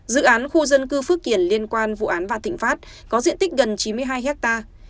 dự án khu dân cư phước kiển liên quan vụ án vạn thịnh pháp có diện tích gần chín mươi hai hectare